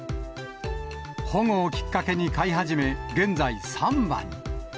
保護をきっかけに飼い始め、現在３羽に。